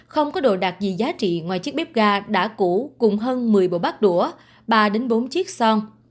không có đồ đạc gì giá trị ngoài chiếc bếp ga đã cũ cùng hơn một mươi bộ bát đũa ba bốn chiếc son